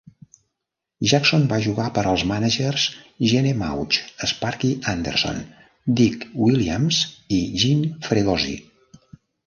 Jackson va jugar per als mànagers Gene Mauch, Sparky Anderson, Dick Williams i Jim Fregosi.